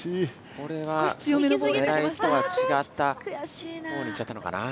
これはねらいとはちがったほうに行っちゃったのかな。